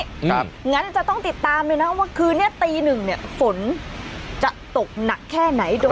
งั้นจะต้องติดตามเลยนะว่าคืนนี้ตีหนึ่งเนี่ยฝนจะตกหนักแค่ไหน